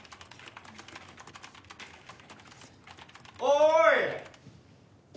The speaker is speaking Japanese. おい！